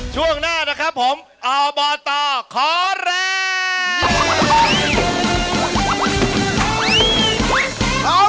ช่วงหน้านะครับผมอบตขอแรง